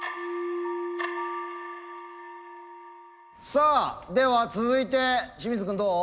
さあでは続いて清水君どう？